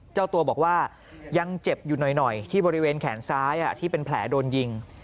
เจ้าตัวบอกว่ายังเจ็บอยู่หน่อยที่บริเวณแขนซ้ายที่เป็นแผลโดนยิง